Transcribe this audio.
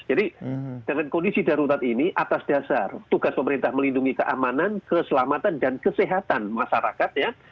jadi dengan kondisi darurat ini atas dasar tugas pemerintah melindungi keamanan keselamatan dan kesehatan masyarakat ya